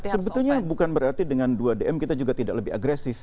sebetulnya bukan berarti dengan dua dm kita juga tidak lebih agresif